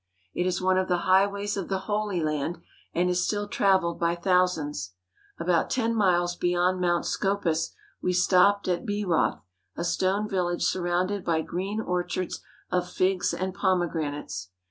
It is one of the highways of the Holy Land, and is still trav elled by thousands. About ten miles beyond Mount Scopus we stopped at Beeroth, a stone village surrounded by green orchards of figs and pomegranates.